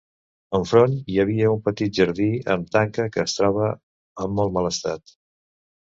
Enfront hi havia un petit jardí amb tanca que es troba en molt mal estat.